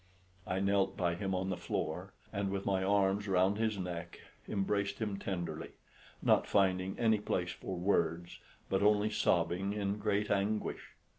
I knelt by him on the floor, and with my arms round his neck, embraced him tenderly, not finding any place for words, but only sobbing in great anguish.